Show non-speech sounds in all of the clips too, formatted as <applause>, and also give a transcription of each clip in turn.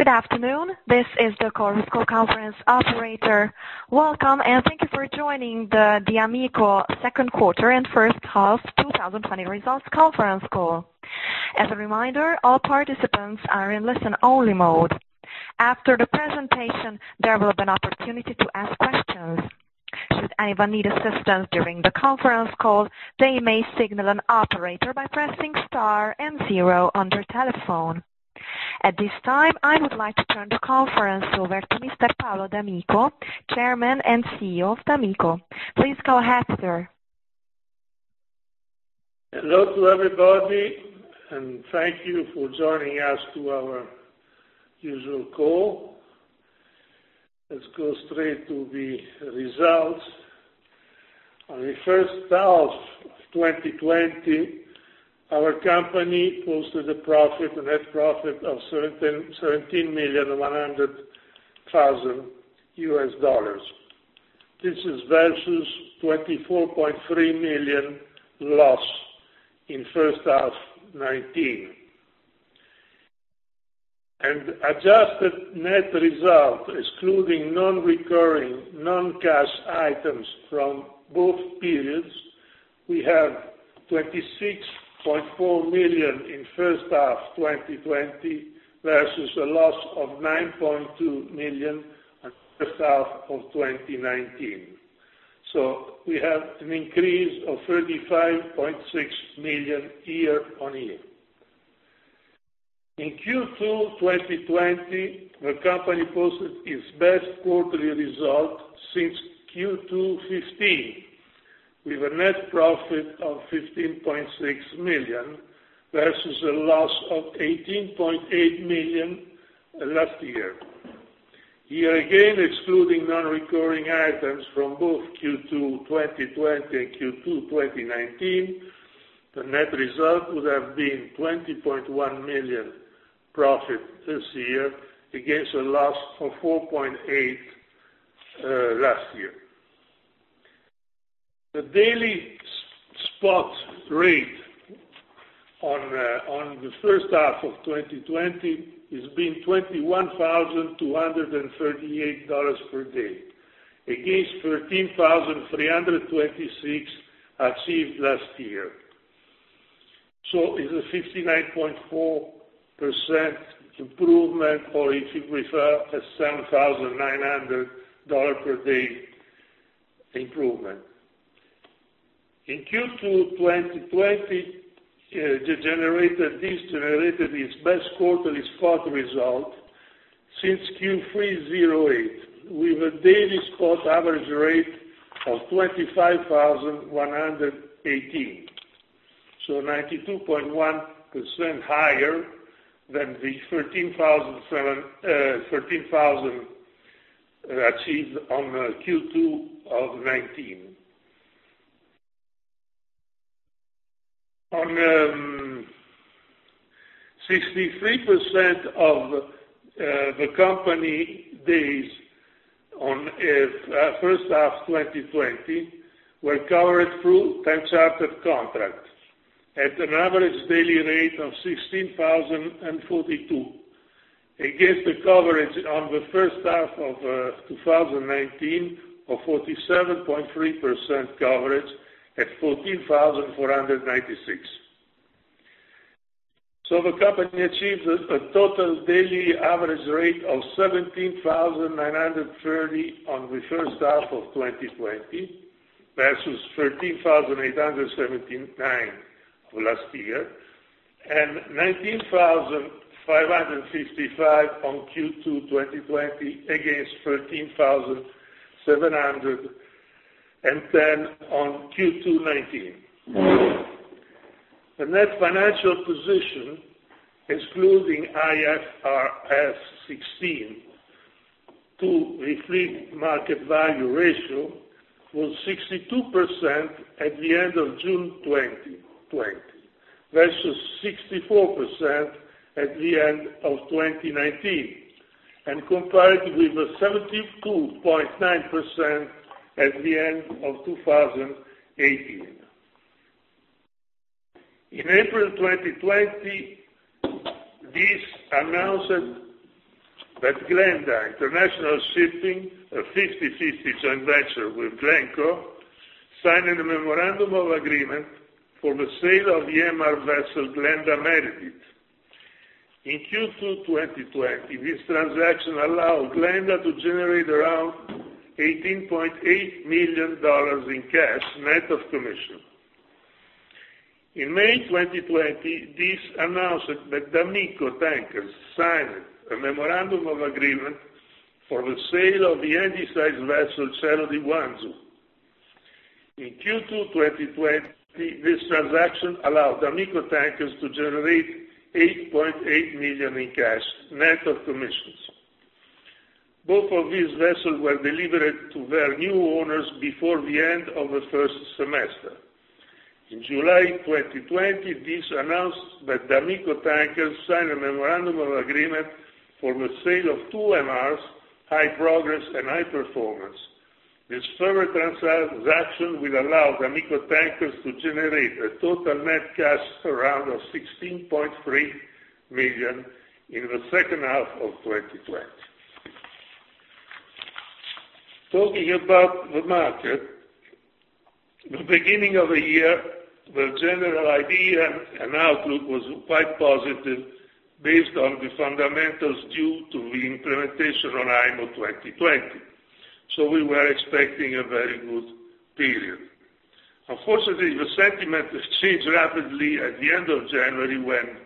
Good afternoon. This is the Chorus Call conference operator. Welcome, and thank you for joining the d'Amico second quarter and first half 2020 results conference call. As a reminder, all participants are in listen-only mode. After the presentation, there will be an opportunity to ask questions. Should anyone need assistance during the conference call, they may signal an operator by pressing star and zero on their telephone. At this time, I would like to turn the conference over to Mr. Paolo d'Amico, Chairman and CEO of d'Amico. Please go ahead, sir. Hello to everybody, and thank you for joining us to our usual call. Let's go straight to the results. On the first half of 2020, our company posted a net profit of $17,100,000. This is versus $24.3 million loss in first half 2019. Adjusted net result, excluding non-recurring non-cash items from both periods, we have $26.4 million in first half 2020 versus a loss of $9.2 million on first half of 2019. We have an increase of $35.6 million year-on-year. In Q2 2020, the company posted its best quarterly result since Q2 2015, with a net profit of $15.6 million versus a loss of $18.8 million last year. Here again, excluding non-recurring items from both Q2 2020 and Q2 2019, the net result would have been $20.1 million profit this year against a loss of $4.8 million last year. The daily spot rate on the first half of 2020 has been $21,238 per day, against $13,326 achieved last year. It's a 59.4% improvement or if you prefer, a $7,900 per day improvement. In Q2 2020, this generated its best quarterly spot result since Q3 2008, with a daily spot average rate of $25,118. 92.1% higher than the $13,000 achieved on Q2 of 2019. 63% of the company days on first half 2020 were covered through time charter contracts, at an average daily rate of $16,042, against the coverage on the first half of 2019 of 47.3% coverage at $14,496. The company achieved a total daily average rate of $17,930 on the first half of 2020 versus $13,879 of last year, and $19,555 on Q2 2020 against $13,710 on Q2 2019. The net financial position, excluding IFRS 16 to the fleet market value ratio, was 62% at the end of June 2020, versus 64% at the end of 2019, and compared with the 72.9% at the end of 2018. In April 2020, this announced that GLENDA International Shipping, a 50/50 joint venture with Glencore, signed a memorandum of agreement for the sale of the MR Vessel GLENDA Meredith. In Q2 2020, this transaction allowed Glenda to generate around $18.8 million in cash, net of commission. In May 2020, this announced that d'Amico Tankers signed a memorandum of agreement for the sale of the Handysize vessel Cielo di Guangzhou. In Q2 2020, this transaction allowed d'Amico Tankers to generate $8.8 million in cash, net of commissions. Both of these vessels were delivered to their new owners before the end of the first semester. In July 2020, this announced that d'Amico Tankers signed a memorandum of agreement for the sale of two MRs, High Progress and High Performance. This further transaction will allow d'Amico Tankers to generate a total net cash around of $16.3 million in the second half of 2020. Talking about the market, the beginning of the year, the general idea and outlook was quite positive based on the fundamentals due to the implementation on IMO 2020. We were expecting a very good period. Unfortunately, the sentiment changed rapidly at the end of January when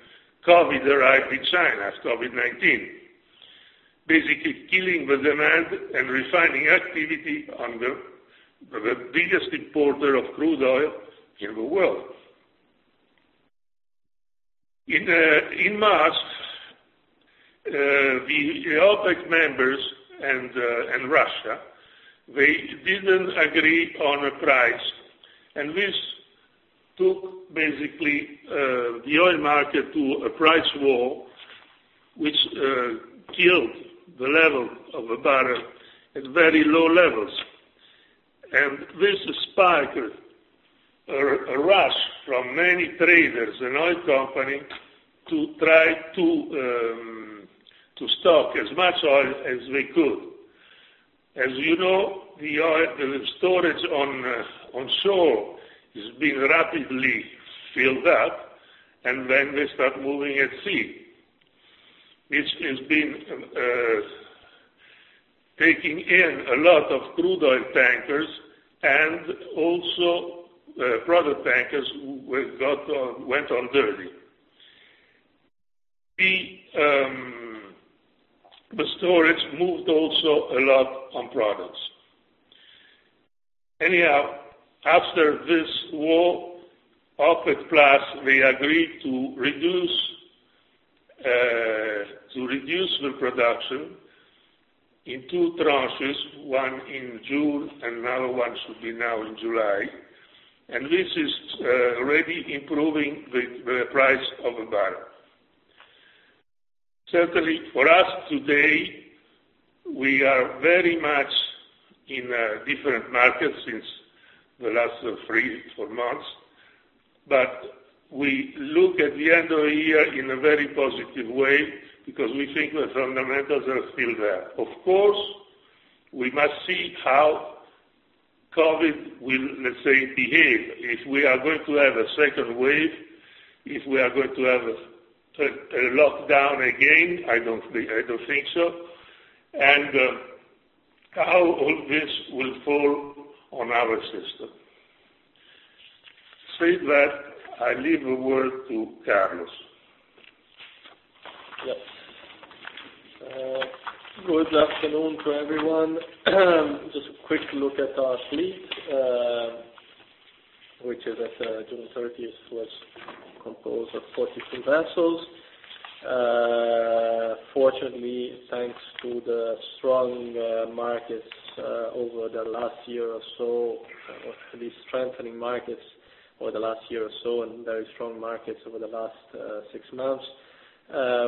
COVID arrived in China, COVID-19. Basically, killing the demand and refining activity of the biggest importer of crude oil in the world. In March, the OPEC members and Russia, they didn't agree on a price, this took basically, the oil market to a price war, which killed the price of a barrel at very low levels. This sparked a rush from many traders and oil companies to try to stock as much oil as they could. As you know, the oil storage on shore is being rapidly filled up, and then they start moving at sea, which has been taking in a lot of crude oil tankers and also, product tankers who went on dirty. The storage moved also a lot on products. After this war, OPEC+, they agreed to reduce the production in two tranches, one in June, and another one should be now in July. This is already improving the price of a barrel. Certainly, for us today, we are very much in a different market since the last three, four months. We look at the end of the year in a very positive way because we think the fundamentals are still there. Of course, we must see how COVID will, let's say, behave. If we are going to have a second wave, if we are going to have a lockdown again, I don't think so, and how all this will fall on our system. Said that, I leave the word to Carlos. Yes. Good afternoon to everyone. Just a quick look at our fleet, which as at June 30th, was composed of 42 vessels. Fortunately, thanks to the strong markets over the last year or so, or at least strengthening markets over the last year or so, and very strong markets over the last six months,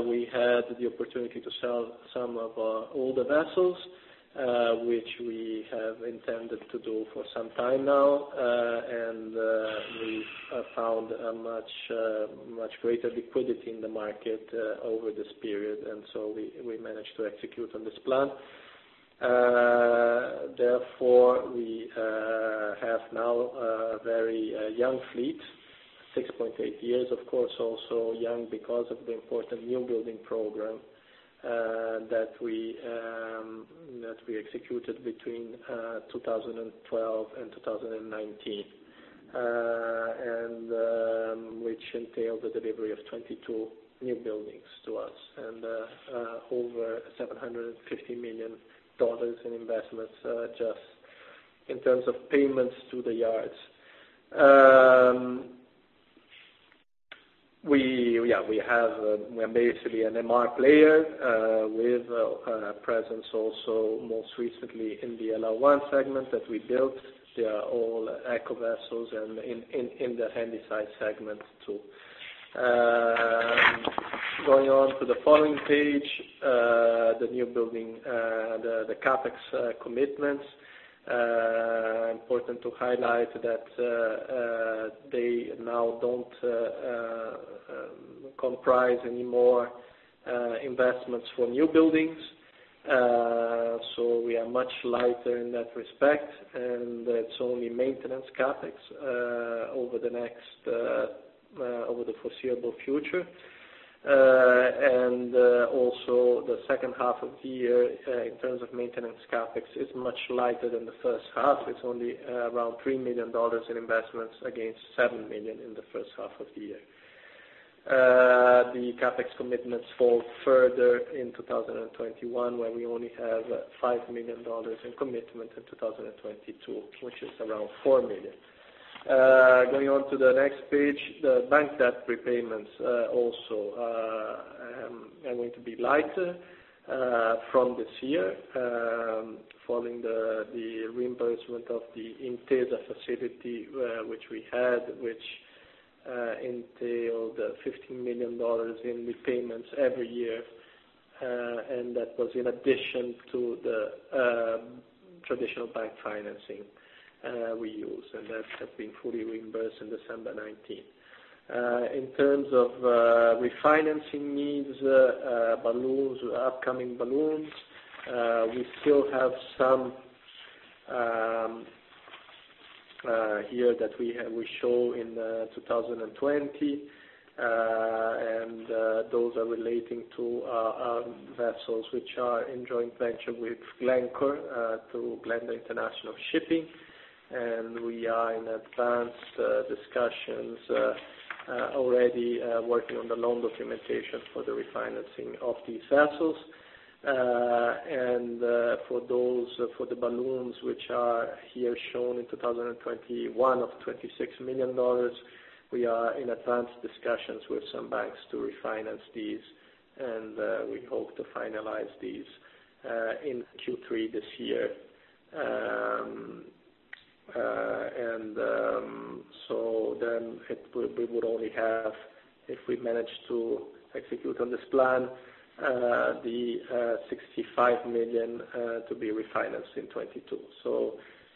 we had the opportunity to sell some of our older vessels, which we have intended to do for some time now. We found a much greater liquidity in the market over this period, so we managed to execute on this plan. Therefore, we have now a very young fleet, 6.8 years, of course, also young because of the important new building program that we executed between 2012 and 2019. Which entailed the delivery of 22 new buildings to us and over $750 million in investments just in terms of payments to the yards. We are basically an MR player, with a presence also most recently in the LR1 segment that we built. They are all eco vessels and in the Handysize segment, too. Going on to the following page, the new building, the CapEx commitments. Important to highlight that they now don't comprise any more investments for new buildings. We are much lighter in that respect, and it's only maintenance CapEx over the foreseeable future. Also the second half of the year, in terms of maintenance CapEx, is much lighter than the first half. It's only around $3 million in investments against $7 million in the first half of the year. The CapEx commitments fall further in 2021, where we only have $5 million in commitment, in 2022, which is around $4 million. Going on to the next page, the bank debt repayments, also are going to be lighter from this year, following the reimbursement of the Intesa facility which we had, which entailed $15 million in repayments every year, and that was in addition to the traditional bank financing we use. That has been fully reimbursed in December 2019. In terms of refinancing needs, balloons, upcoming balloons, we still have some here that we show in 2020, and those are relating to vessels which are in joint venture with Glencore through GLENDA International Shipping. We are in advanced discussions already, working on the loan documentation for the refinancing of these vessels. For the balloons which are here shown in 2021 of $26 million, we are in advanced discussions with some banks to refinance these, and we hope to finalize these in Q3 this year. We would only have, if we manage to execute on this plan, the $65 million to be refinanced in 2022.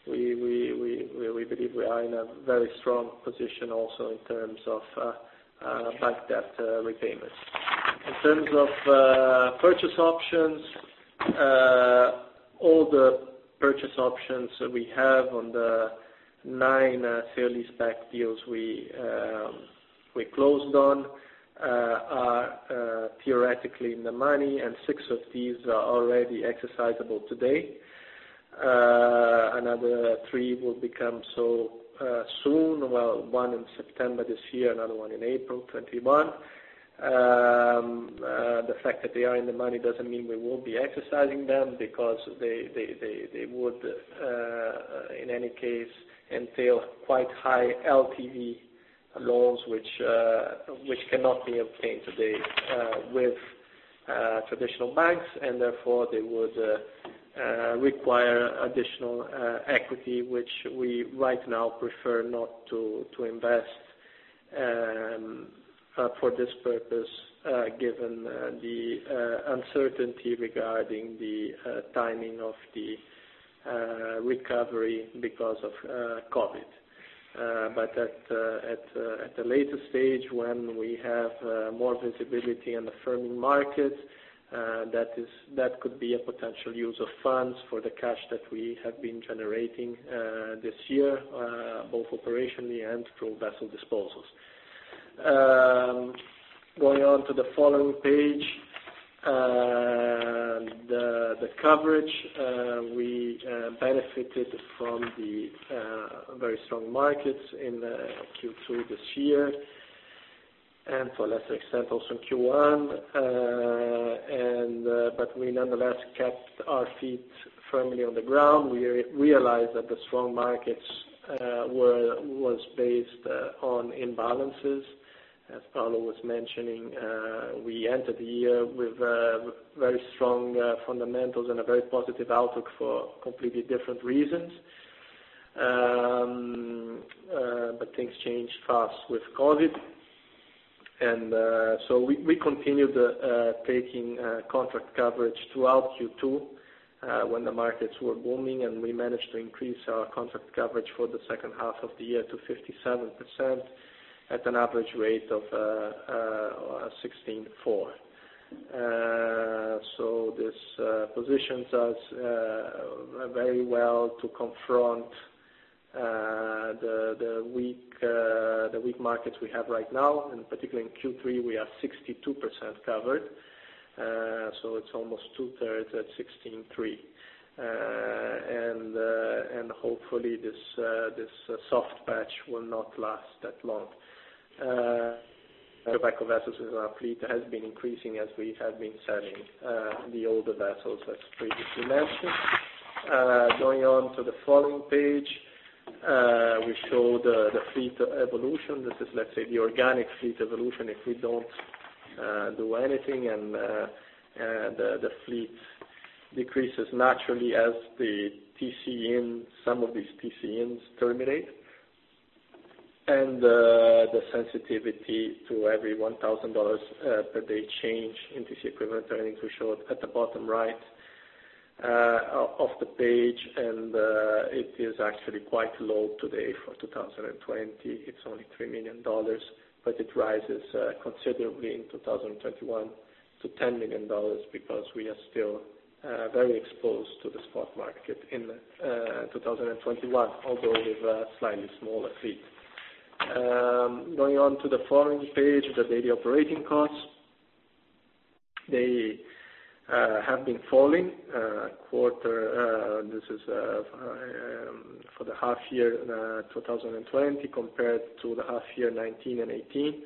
We believe we are in a very strong position also in terms of bank debt repayments. In terms of purchase options, all the purchase options we have on the nine sale-and-lease-back deals we closed on are theoretically in the money, and six of these are already exercisable today. Another three will become so soon. One in September this year, another one in April 2021. The fact that they are in the money doesn't mean we will be exercising them, because they would, in any case, entail quite high LTV loans which cannot be obtained today with traditional banks, and therefore they would require additional equity, which we right now prefer not to invest for this purpose, given the uncertainty regarding the timing of the recovery because of COVID. At a later stage, when we have more visibility on the firming market, that could be a potential use of funds for the cash that we have been generating this year, both operationally and through vessel disposals. Going on to the following page. The coverage we benefited from the very strong markets in Q2 this year, and to a lesser extent, also in Q1. We nonetheless kept our feet firmly on the ground. We realized that the strong markets was based on imbalances. As Paolo was mentioning, we entered the year with very strong fundamentals and a very positive outlook for completely different reasons. Things changed fast with COVID. We continued taking contract coverage throughout Q2, when the markets were booming, and we managed to increase our contract coverage for the second half of the year to 57%, at an average rate of $16,400. This positions us very well to confront the weak markets we have right now, and particularly in Q3, we are 62% covered. It's almost 2/3 at $16,300. Hopefully, this soft patch will not last that long. The eco vessels in our fleet has been increasing as we have been selling the older vessels, as previously mentioned. Going on to the following page, we show the fleet evolution. This is, let's say, the organic fleet evolution. If we don't do anything, and the fleet decreases naturally as some of these TC-ins terminate. The sensitivity to every $1,000 per day change in TC equivalent earnings we showed at the bottom right of the page, and it is actually quite low today for 2020. It's only $3 million. It rises considerably in 2021 to $10 million because we are still very exposed to the spot market in 2021, although with a slightly smaller fleet. Going on to the following page, the daily operating costs. They have been falling. This is for the half year 2020 compared to the half year 2019 and 2018.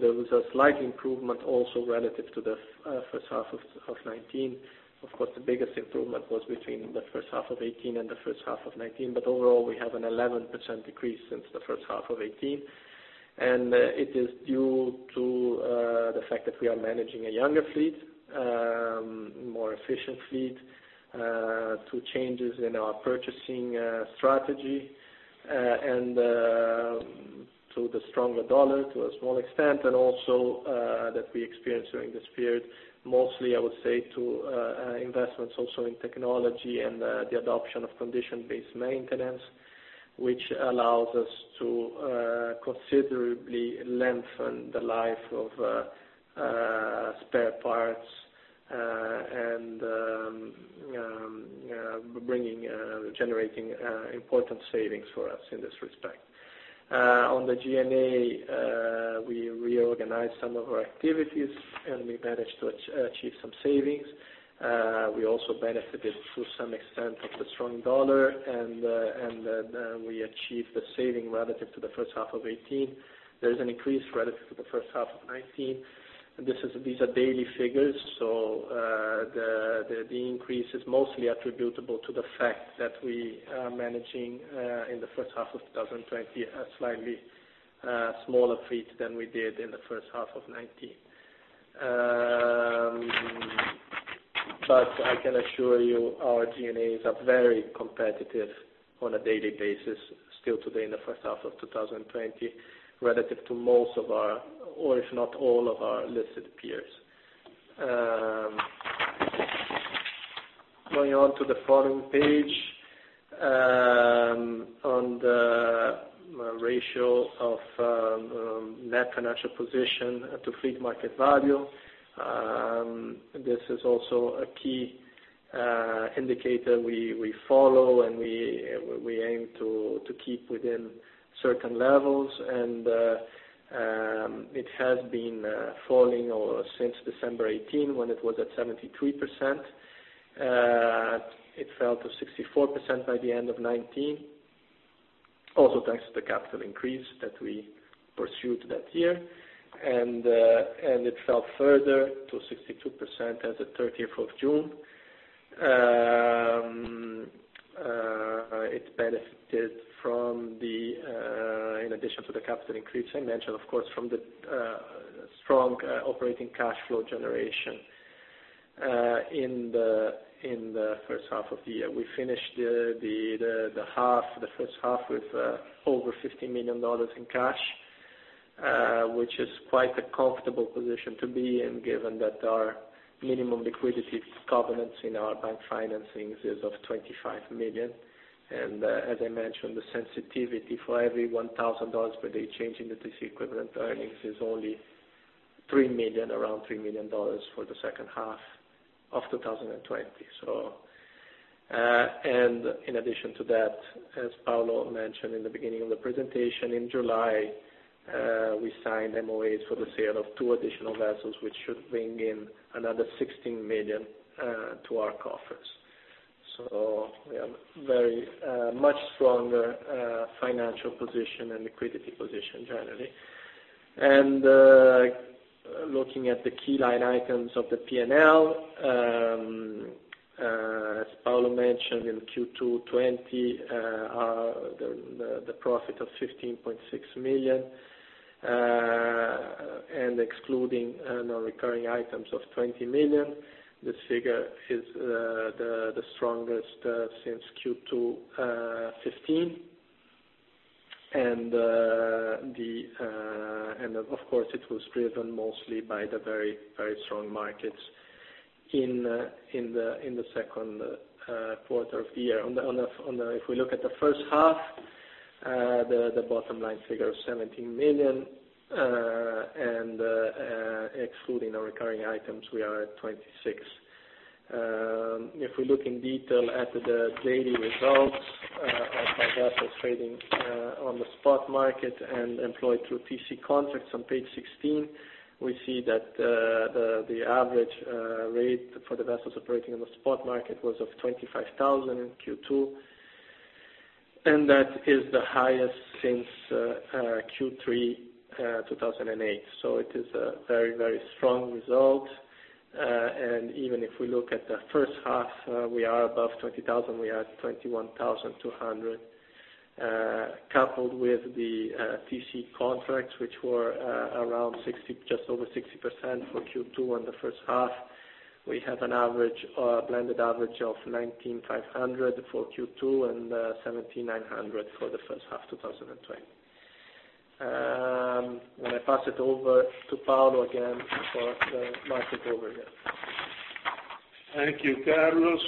There was a slight improvement also relative to the first half of 2019. Of course, the biggest improvement was between the first half of 2018 and the first half of 2019. Overall, we have an 11% decrease since the first half of 2018. It is due to the fact that we are managing a younger fleet, more efficient fleet, to changes in our purchasing strategy, and to the stronger dollar to a small extent, and also that we experienced during this period, mostly, I would say, to investments also in technology and the adoption of condition-based maintenance. Which allows us to considerably lengthen the life of spare parts, and bringing and generating important savings for us in this respect. On the G&A, we reorganized some of our activities, and we managed to achieve some savings. We also benefited to some extent of the strong dollar. We achieved the saving relative to the first half of 2018. There's an increase relative to the first half of 2019. These are daily figures. The increase is mostly attributable to the fact that we are managing, in the first half of 2020, a slightly smaller fleet than we did in the first half of 2019. I can assure you, our G&As are very competitive on a daily basis still today in the first half of 2020 relative to most of our, or if not all of our listed peers. Going on to the following page. On the ratio of net financial position to fleet market value. This is also a key indicator we follow and we aim to keep within certain levels. It has been falling since December 2018 when it was at 73%. It fell to 64% by the end of 2019, also thanks to the capital increase that we pursued that year. It fell further to 62% as of 30th of June. It benefited, in addition to the capital increase I mentioned, of course, from the strong operating cash flow generation in the first half of the year. We finished the first half with over $50 million in cash, which is quite a comfortable position to be in, given that our minimum liquidity covenants in our bank financings is of $25 million. As I mentioned, the sensitivity for every $1,000 per day change in the TC equivalent earnings is only around $3 million for the second half of 2020. In addition to that, as Paolo mentioned in the beginning of the presentation, in July, we signed MOAs for the sale of two additional vessels, which should bring in another $16 million to our coffers. We have very much stronger financial position and liquidity position generally. Looking at the key line items of the P&L, as Paolo mentioned in Q2 2020, the profit of $15.6 million, excluding non-recurring items of $20 million, this figure is the strongest since Q2 2015. Of course, it was driven mostly by the very strong markets in the second quarter of the year. If we look at the first half, the bottom line figure of $17 million, excluding the recurring items, we are at $26 million. If we look in detail at the daily results of our vessels trading on the spot market and employed through TC contracts on page 16, we see that the average rate for the vessels operating on the spot market was of $25,000 in Q2, and that is the highest since Q3 2008. It is a very strong result. Even if we look at the first half, we are above $20,000, we are at $21,200. Coupled with the TC contracts, which were just over 60% for Q2 on the first half, we have a blended average of $19,500 for Q2 and $17,900 for the first half 2020. I pass it over to Paolo again for the market overview. Thank you, Carlos.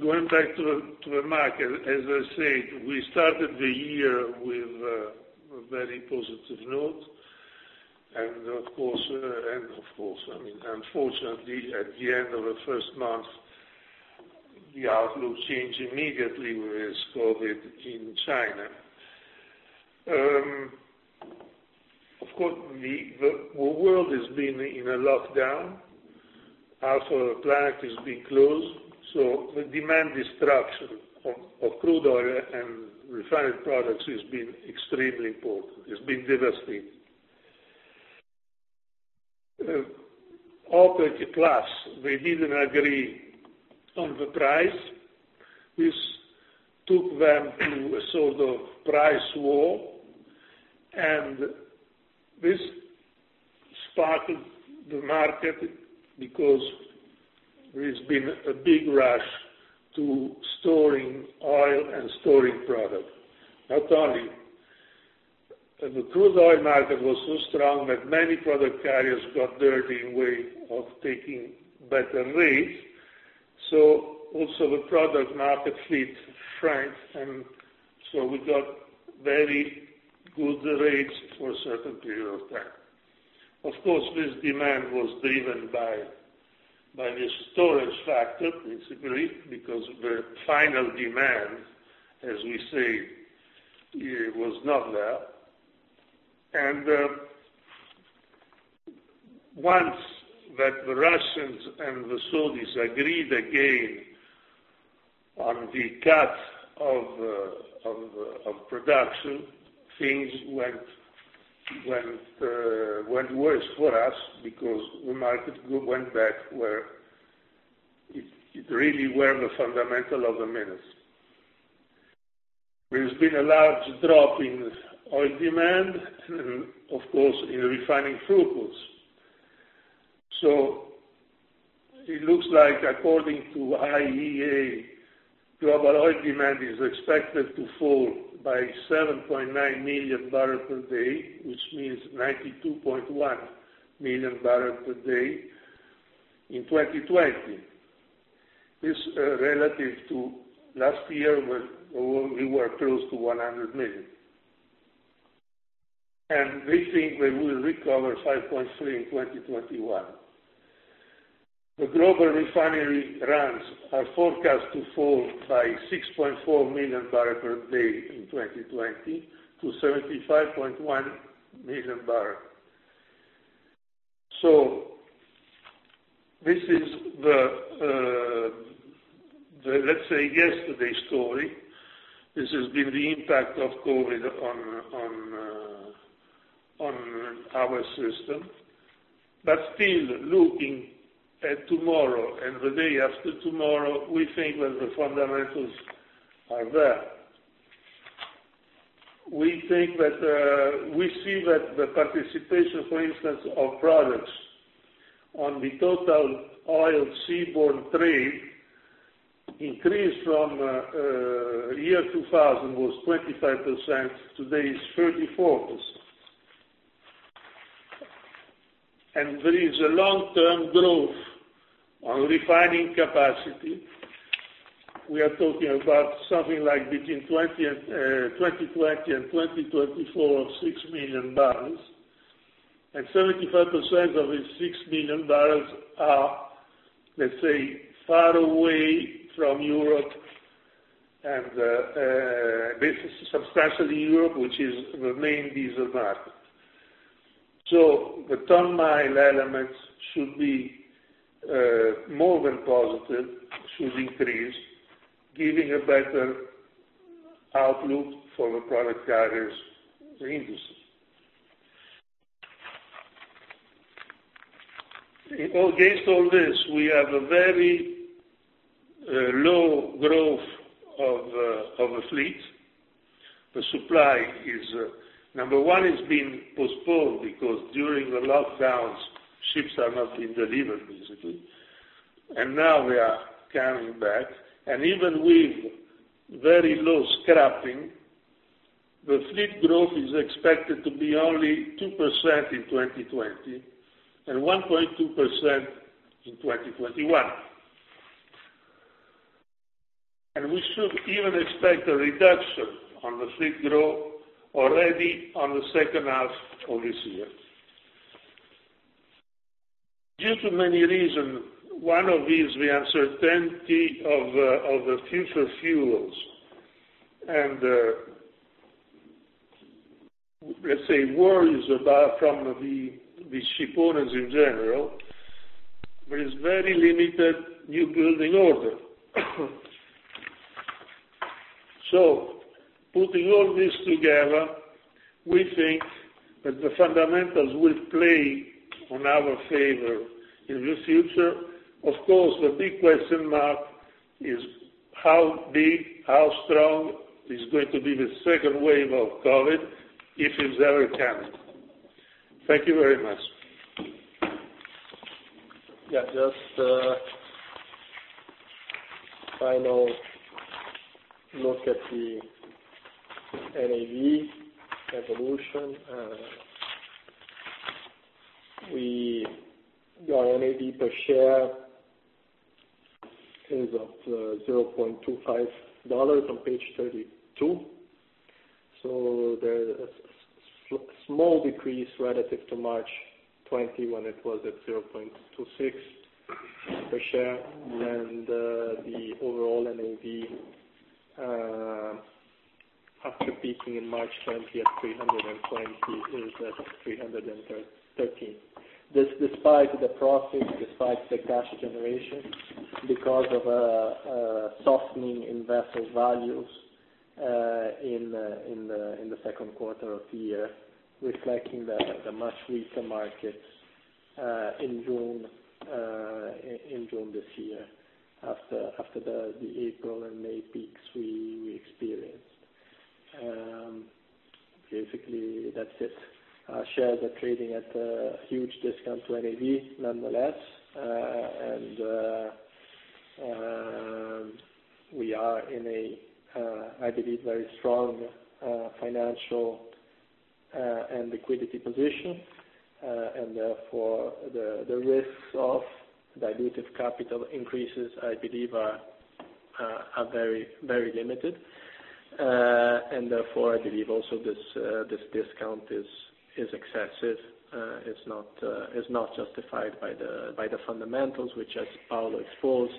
Going back to the market, as I said, we started the year with a very positive note. Of course, unfortunately, at the end of the first month, the outlook changed immediately with COVID in China. Of course, the world has been in a lockdown. Half of the planet has been closed. The demand destruction of crude oil and refined products has been extremely important. It's been devastating. OPEC+, they didn't agree on the price. This took them to a sort of price war, and this sparked the market because there has been a big rush to storing oil and storing product. Not only, the crude oil market was so strong that many product carriers got there in way of taking better rates. Also the product market. <audio distortion> We got very good rates for a certain period of time. Of course, this demand was driven by the storage factor, basically, because the final demand, as we say, was not there. Once that the Russians and the Saudis agreed again on the cut of production, things went worse for us because the market went back where it really were the fundamentals of the market. There's been a large drop in oil demand, and of course, in refining throughputs. It looks like according to IEA, global oil demand is expected to fall by 7.9 million barrel per day, which means 92.1 million barrel per day in 2020. This, relative to last year, where we were close to 100 million. We think we will recover 5.3 million in 2021. The global refinery runs are forecast to fall by 6.4 million barrel per day in 2020 to 75.1 million barrel. This is the, let's say, yesterday's story. This has been the impact of COVID on our system. Still looking at tomorrow and the day after tomorrow, we think that the fundamentals are there. We see that the participation, for instance, of products on the total oil seaborne trade increased from year 2000, was 25%, today is 34%. There is a long-term growth on refining capacity. We are talking about something like between 2020 and 2024, of 6 million barrels, and 75% of the 6 million barrels are, let's say, far away from Europe, and this is substantially Europe, which is the main diesel market. The ton mile elements should be more than positive, should increase, giving a better outlook for the product carriers industry. Against all this, we have a very low growth of a fleet. The supply is, number one, it's been postponed because during the lockdowns, ships are not being delivered, basically. Now they are coming back, and even with very low scrapping, the fleet growth is expected to be only 2% in 2020 and 1.2% in 2021. We should even expect a reduction on the fleet growth already on the second half of this year. Due to many reason, one of these, the uncertainty of the future fuels, and let's say worries from the shipowners in general, there is very limited new building order. Putting all this together, we think that the fundamentals will play on our favor in the future. Of course, the big question mark is how big, how strong is going to be the second wave of COVID, if it's ever coming. Thank you very much. Just a final look at the NAV evolution. Our NAV per share is of $0.25 on page 32. There is a small decrease relative to March 2021 when it was at $0.26 per share. The overall NAV, after peaking in March 2020 at $320, is at $313. This despite the profit, despite the cash generation, because of a softening in vessel values in the second quarter of the year, reflecting the much weaker markets in June this year, after the April and May peaks we experienced. Basically, that's it. Shares are trading at a huge discount to NAV nonetheless. We are in a, I believe, very strong financial and liquidity position. Therefore, the risks of dilutive capital increases, I believe, are very limited. Therefore, I believe also this discount is excessive. It's not justified by the fundamentals, which, as Paolo exposed,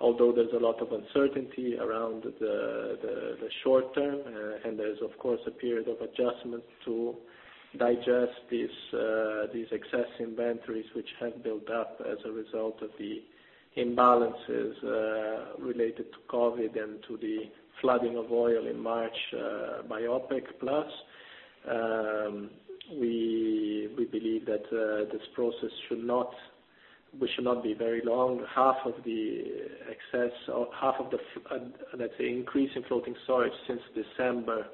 although there's a lot of uncertainty around the short-term, and there's of course a period of adjustment to digest these excess inventories which have built up as a result of the imbalances related to COVID and to the flooding of oil in March by OPEC+. We believe that this process should not be very long. Half of the increase in floating storage since December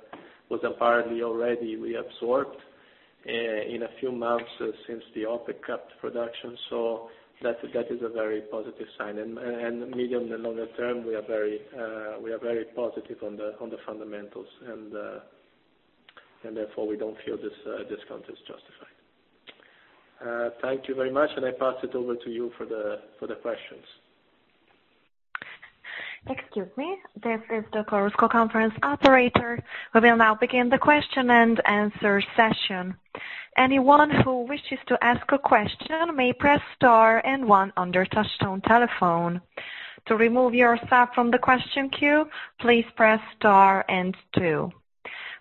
was apparently already reabsorbed in a few months since the OPEC cut production. That is a very positive sign. Medium and longer term, we are very positive on the fundamentals, and therefore we don't feel this discount is justified. Thank you very much, and I pass it over to you for the questions. Excuse me. This is the Chorus Call conference operator. We will now begin the question-and-answer session. Anyone who wishes to ask a question may press star and one on their touchtone telephone. To remove yourself from the question queue, please press star and two.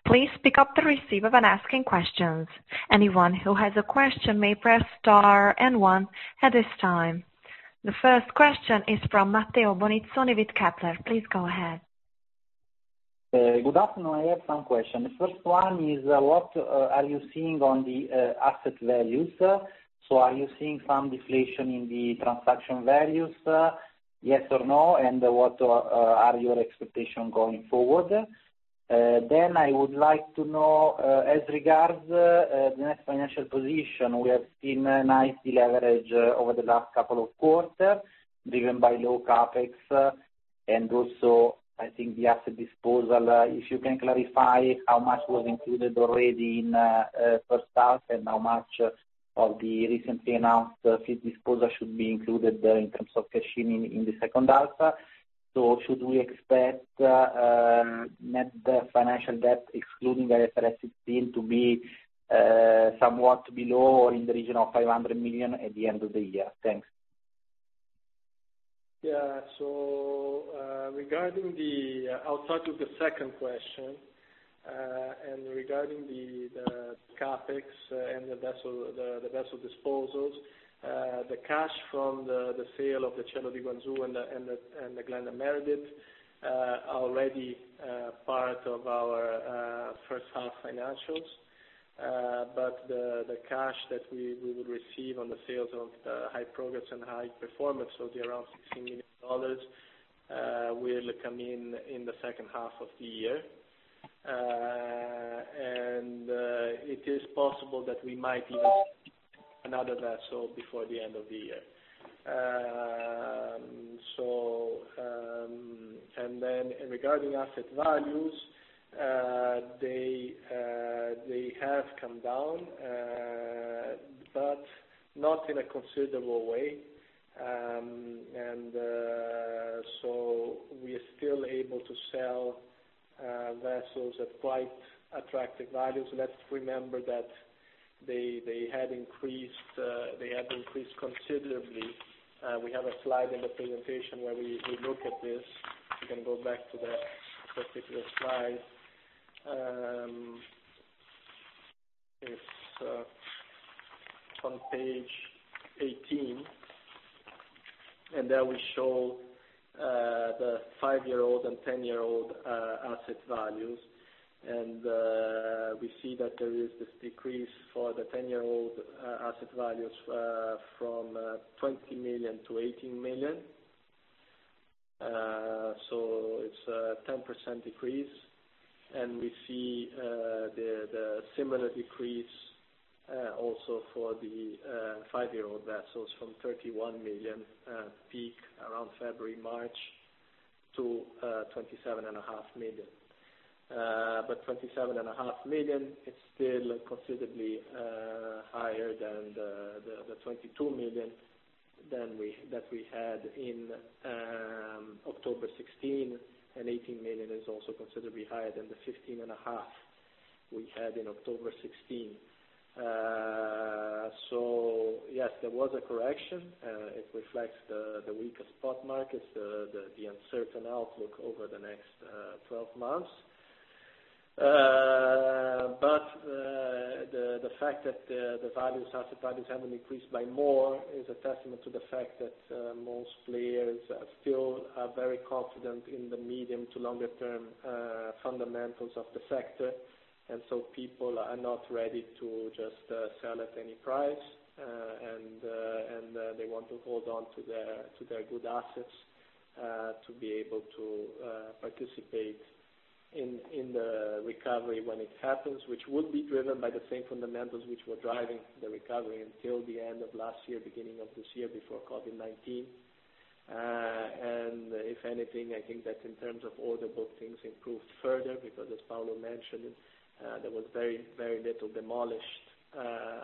Please pick up the receiver when asking questions. Anyone who has a question may press star and one at this time. The first question is from Matteo Bonizzoni with Kepler. Please go ahead. Good afternoon. I have some questions. First one is what are you seeing on the asset values? Are you seeing some deflation in the transaction values? Yes or no? What are your expectation going forward? I would like to know as regards the next financial position, we have seen a nice deleverage over the last couple of quarters driven by low CapEx and also I think the asset disposal. If you can clarify how much was included already in first half and how much of the recently announced fleet disposal should be included in terms of cash in the second half. Should we expect net financial debt, excluding the IFRS 16, to be somewhat below or in the region of $500 million at the end of the year? Thanks. I'll start with the second question. Regarding the CapEx and the vessel disposals, the cash from the sale of the Cielo di Guangzhou and the GLENDA Meredith are already part of our first half financials. The cash that we would receive on the sales of the High Progress and High Performance of around $16 million will come in the second half of the year. It is possible that we might even sell another vessel before the end of the year. Regarding asset values, they have come down, but not in a considerable way. We are still able to sell vessels at quite attractive values. Let's remember that they had increased considerably. We have a slide in the presentation where we look at this. We can go back to that particular slide. It's on page 18, there we show the five-year-old and 10-year-old asset values. We see that there is this decrease for the 10-year-old asset values from $20 million to $18 million. It's a 10% decrease. We see the similar decrease also for the five-year-old vessels from $31 million peak around February, March to $27.5 million. $27.5 million is still considerably higher than the $22 million that we had in October 2016, and $18 million is also considerably higher than the $15.5 million we had in October 2016. Yes, there was a correction. It reflects the weaker spot markets, the uncertain outlook over the next 12 months. The fact that the asset values haven't increased by more is a testament to the fact that most players still are very confident in the medium to longer term fundamentals of the sector. People are not ready to just sell at any price, and they want to hold on to their good assets to be able to participate in the recovery when it happens, which will be driven by the same fundamentals which were driving the recovery until the end of last year, beginning of this year, before COVID-19. If anything, I think that in terms of order book, things improved further because as Paolo mentioned, there was very little demolished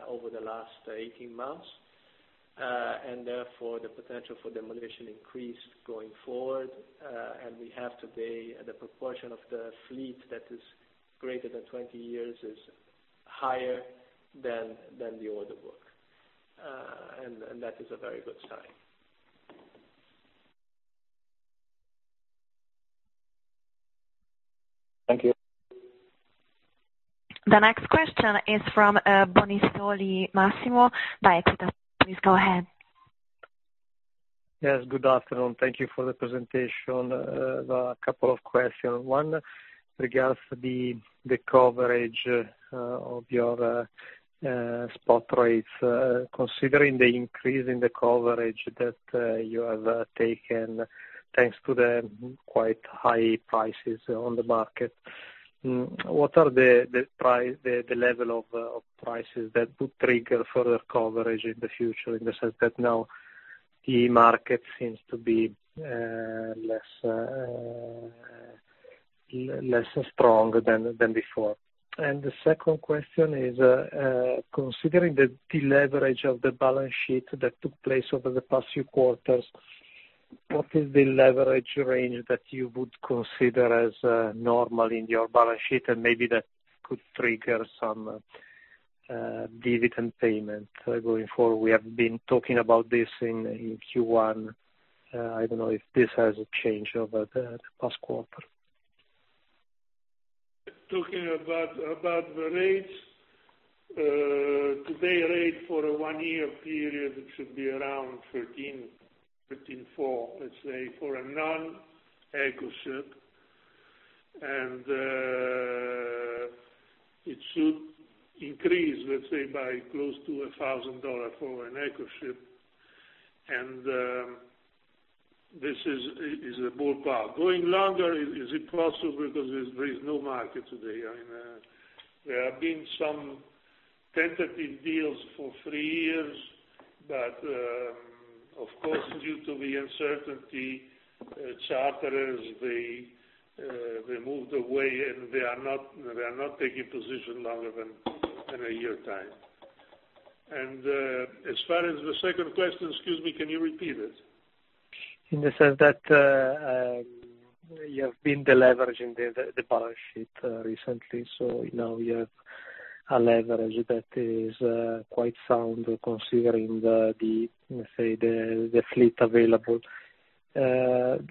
over the last 18 months. Therefore, the potential for demolition increased going forward. We have today, the proportion of the fleet that is greater than 20 years is higher than the order book. That is a very good sign. Thank you. The next question is from Massimo Bonisoli with EQUITA. Please go ahead. Yes, good afternoon. Thank you for the presentation. A couple of questions. One, regards the coverage of your spot rates. Considering the increase in the coverage that you have taken, thanks to the quite high prices on the market. What are the level of prices that would trigger further coverage in the future, in the sense that now the market seems to be less strong than before? The second question is, considering the deleverage of the balance sheet that took place over the past few quarters, what is the leverage range that you would consider as normal in your balance sheet and maybe that could trigger some dividend payment going forward? We have been talking about this in Q1. I don't know if this has changed over the past quarter. Talking about the rates. Today rate for a one-year period, it should be around $13,000-$14,000, let's say, for a non-eco ship. It should increase, let's say, by close to $1,000 for an eco ship. This is a ballpark. Going longer, is it possible because there is no market today? There have been some tentative deals for three years, but, of course, due to the uncertainty, charterers, they moved away, and they are not taking position longer than a year time. As far as the second question, excuse me, can you repeat it? In the sense that, you have been deleveraging the balance sheet recently. Now you have a leverage that is quite sound considering the fleet available. Do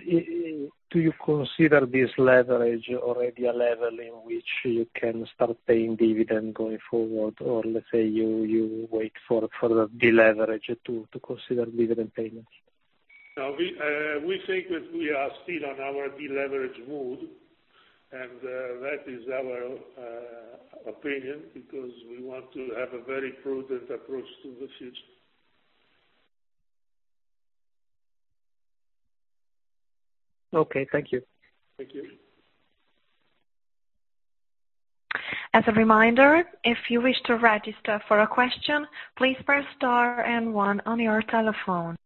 you consider this leverage already a level in which you can start paying dividend going forward? Let's say you wait for the deleverage to consider dividend payments? No, we think that we are still on our deleverage mode. That is our opinion, because we want to have a very prudent approach to the future. Okay. Thank you. Thank you. As a reminder, if you wish to register for a question, please press star and one on your telephone.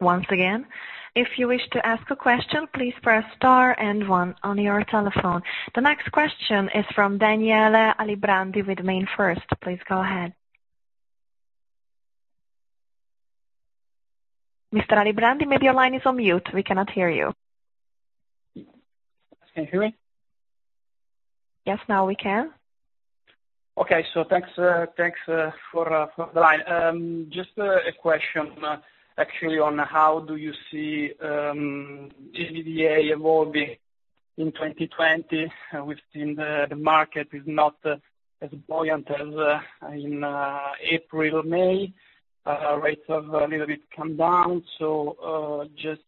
Once again, if you wish to ask a question, please press star and one on your telephone. The next question is from Daniele Alibrandi with MainFirst. Please go ahead. Mr. Alibrandi, maybe your line is on mute. We cannot hear you. Can you hear me? Yes, now we can. Okay. Thanks for the line. Just a question actually on how do you see EBITDA evolving in 2020? We've seen the market is not as buoyant as in April, May. Rates have a little bit come down. Just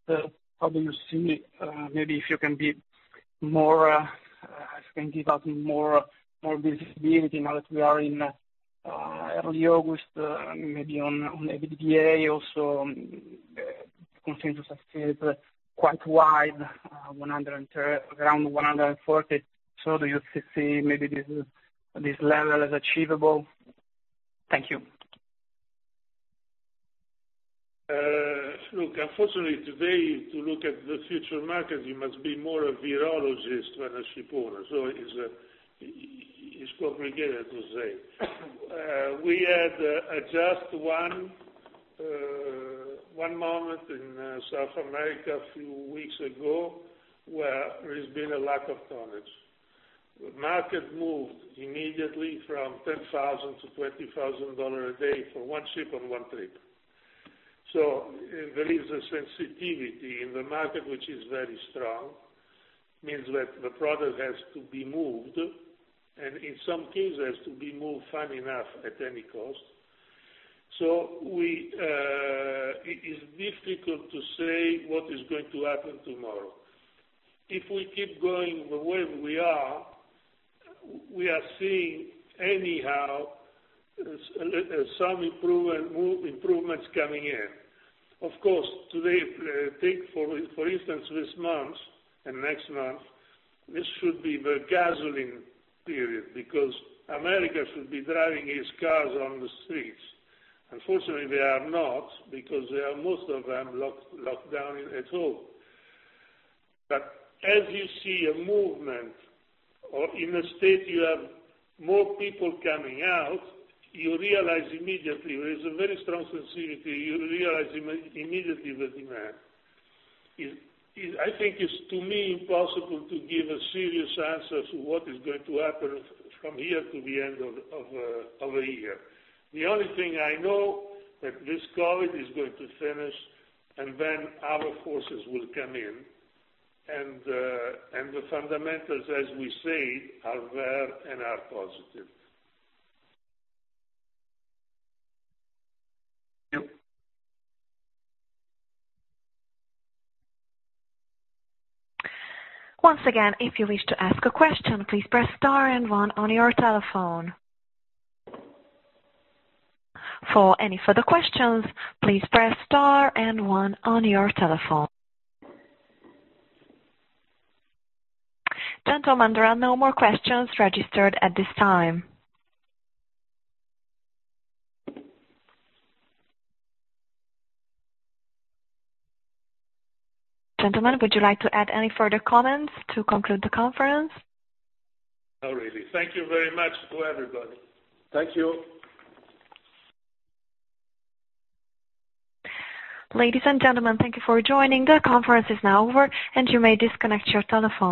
how do you see, maybe if you can give us more visibility now that we are in early August, maybe on the EBITDA also, consensus is quite wide, around $140. Do you still see maybe this level is achievable? Thank you. Unfortunately, today, to look at the future markets, you must be more a virologist than a shipper. It's complicated to say. We had just one moment in South America a few weeks ago where there's been a lack of tonnage. Market moved immediately from $10,000 to $20,000 a day for one ship on one trip. There is a sensitivity in the market, which is very strong. Means that the product has to be moved, and in some cases, to be moved fast enough at any cost. Difficult to say what is going to happen tomorrow. If we keep going the way we are, we are seeing anyhow some improvements coming in. Of course, today, take for instance, this month and next month, this should be the gasoline period, because America should be driving its cars on the streets. Unfortunately, they are not, because they are, most of them, locked down at home. As you see a movement or in a state you have more people coming out, you realize immediately, there is a very strong sensitivity, you realize immediately the demand. I think it's, to me, impossible to give a serious answer to what is going to happen from here to the end of the year. The only thing I know that this COVID is going to finish, then our forces will come in, and the fundamentals, as we say, are there and are positive. Thank you. Once again, if you wish to ask a question, please press star and one on your telephone. For any further questions, please press star and one on your telephone. Gentlemen, there are no more questions registered at this time. Gentlemen, would you like to add any further comments to conclude the conference? Not really. Thank you very much to everybody. Thank you. Ladies and gentlemen, thank you for joining. The conference is now over, and you may disconnect your telephones.